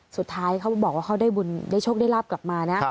เขาบอกว่าเขาได้บุญได้โชคได้ลาบกลับมานะ